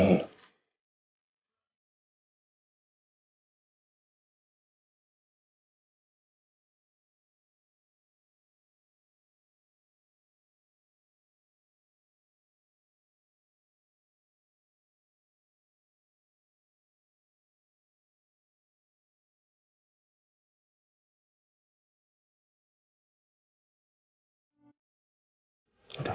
ini gak enak lah